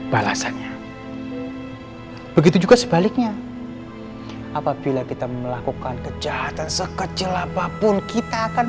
balasannya begitu juga sebaliknya apabila kita melakukan kejahatan sekecil apapun kita akan